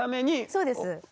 そうです。